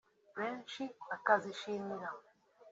benshi bakazishimira